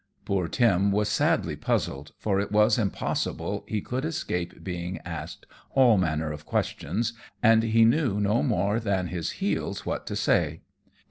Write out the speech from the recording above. Poor Tim was sadly puzzled, for it was impossible he could escape being asked all manner of questions, and he knew no more than his heels what to say.